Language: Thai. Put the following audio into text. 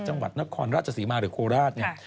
จังหวัดนครราชศรีมาหรือโคราชเนี่ย